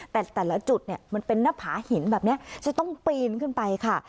แต่แต่ละจุดเนี่ยมันเป็นหน้าผาหินแบบนี้จะต้องปีนขึ้นไปค่ะ